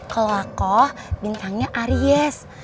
kalau aku bintangnya aries